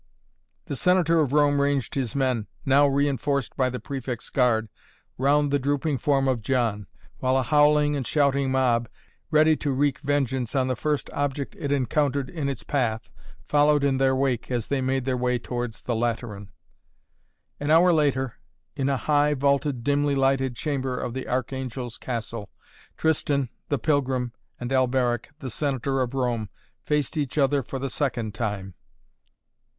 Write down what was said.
The Senator of Rome ranged his men, now re inforced by the Prefect's guard, round the drooping form of John, while a howling and shouting mob, ready to wreak vengeance on the first object it encountered in its path, followed in their wake as they made their way towards the Lateran. An hour later, in a high vaulted, dimly lighted chamber of the Archangel's Castle, Tristan, the pilgrim, and Alberic, the Senator of Rome, faced each other for the second time.